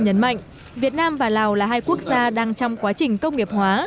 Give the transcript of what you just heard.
nhấn mạnh việt nam và lào là hai quốc gia đang trong quá trình công nghiệp hóa